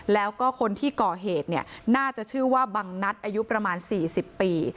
แล้วก็คนที่ก่อเหตุเนี่ยน่าจะชื่อว่าบังนัดอายุประมาณ๔๐ปี